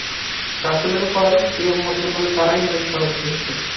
রাসূলের পর এ উম্মতের মাঝে তাঁরাই হলেন সর্বশ্রেষ্ঠ।